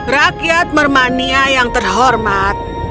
rakyat mermania yang terhormat